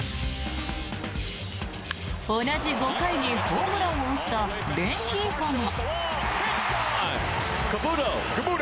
同じ５回にホームランを打ったレンヒーフォも。